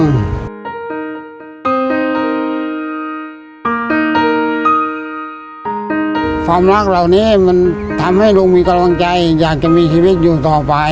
ความรักเหล่านี้มันทำให้ลุงมีกำลังใจอยากจะมีชีวิตอยู่ต่อไป